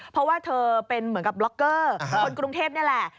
เพราะว่าเธอเป็นเหมือนกับล็อกเกอร์คนกรุงเทพนี่แหละ